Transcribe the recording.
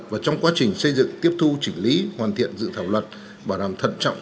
và trong quá trình xây dựng tiếp thu chỉnh lý hoàn thiện dự thảo luật bảo đảm thận trọng